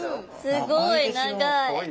すごい長い。